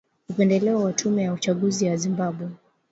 upendeleo wa tume ya uchaguzi ya Zimbabwe